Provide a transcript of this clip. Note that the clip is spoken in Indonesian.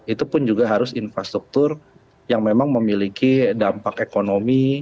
itu pun juga harus infrastruktur yang memang memiliki dampak ekonomi